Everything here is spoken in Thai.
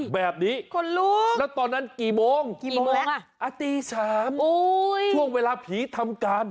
แบบนี้แล้วตอนนั้นกี่โมงอาตี๓ช่วงเวลาผีทำการ